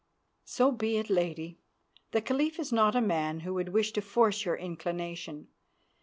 "So be it, Lady. The Caliph is not a man who would wish to force your inclination.